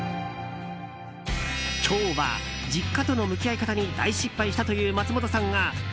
今日は実家との向き合い方に大失敗したという松本さんがＮＯＮＳＴＯＰ！